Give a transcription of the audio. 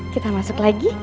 kita masuk lagi